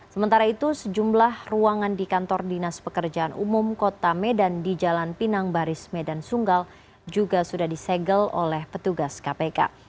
sementara itu sejumlah ruangan di kantor dinas pekerjaan umum kota medan di jalan pinang baris medan sunggal juga sudah disegel oleh petugas kpk